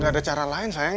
gak ada cara lain sayang